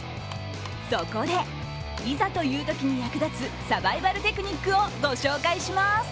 そこで、いざというときに役立つサバイバルテクニックをご紹介します。